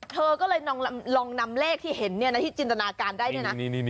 เธอก็เลยลองนำเลขที่เห็นที่จินตนาการได้เนี่ยนะ